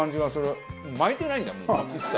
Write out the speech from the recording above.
巻いてないんだもん一切。